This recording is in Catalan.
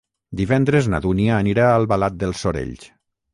Divendres na Dúnia anirà a Albalat dels Sorells.